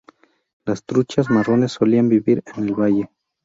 Las truchas marrones solían vivir en el valle.